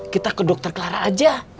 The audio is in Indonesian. kita ke dokter clara aja